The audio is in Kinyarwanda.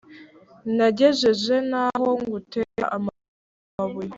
nagejeje n'aho ngutera amabuye